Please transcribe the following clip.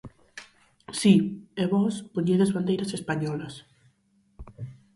Si, e vós poñedes bandeiras españolas.